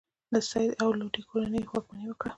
د سید او لودي کورنۍ واکمني وکړه.